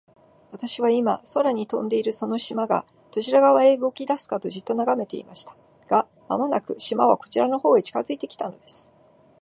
私は、今、空に浮んでいるその島が、どちら側へ動きだすかと、じっと眺めていました。が、間もなく、島はこちらの方へ近づいて来たのです。